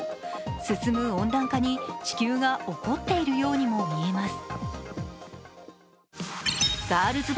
進む温暖化に地球が怒っているようにも見えます。